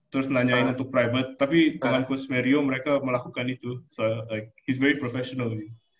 terus nanyain untuk private tapi dengan coach mary yu mereka melakukan itu so like he s very professional